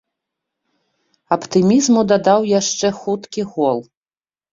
Аптымізму дадаў яшчэ хуткі гол.